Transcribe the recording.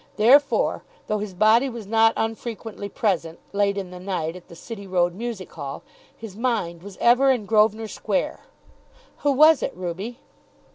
Therefore, though his body was not unfrequently present, late in the night, at the City Road Music Hall, his mind was ever in Grosvenor Square. "Who was it, Ruby?"